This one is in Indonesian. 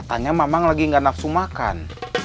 katanya mamang lagi tidak nafsu makan